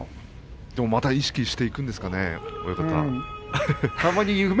でもまた意識していくんですかね、親方。